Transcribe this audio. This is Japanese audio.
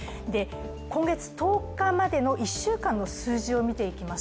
今月１０日までの１週間の数字を見ていきます。